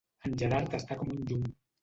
En Gerard està com un llum.